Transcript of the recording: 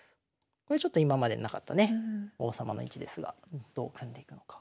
これちょっと今までなかったね王様の位置ですがどう組んでいくのか。